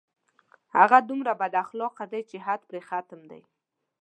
هغه دومره بد اخلاقه دی چې حد پرې ختم دی